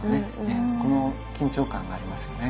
この緊張感がありますよね。